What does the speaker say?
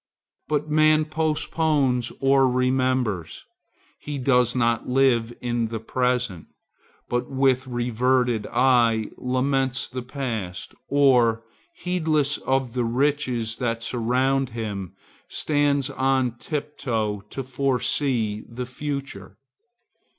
But man postpones or remembers; he does not live in the present, but with reverted eye laments the past, or, heedless of the riches that surround him, stands on tiptoe to foresee the future.